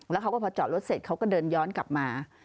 แล้วเขาก็พอจอดรถเสร็จเขาก็เดินย้อนกลับมา